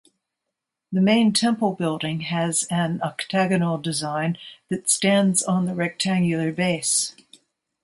The main temple building has an octagonal design that stands on the rectangular base.